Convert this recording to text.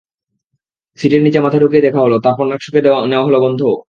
সিটের নিচে মাথা ঢুকিয়ে দেখা হলো, তারপর নাক শুঁকে নেওয়া হলো গন্ধও।